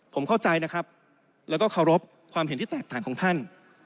ผมเข้าใจนะครับแล้วก็เคารพความเห็นที่แตกต่างของท่าน